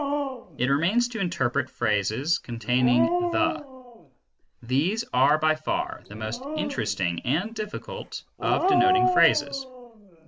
It remains to interpret phrases containing the. These are by far the most interesting and difficult of denoting phrases.